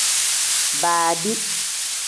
Baadi.